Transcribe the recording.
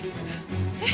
えっ？